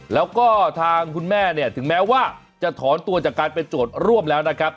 แล้วก็ทางคุณแม่เนี่ยถึงแม้ว่าจะถอนตัวจากการเป็นโจทย์ร่วมแล้วนะครับ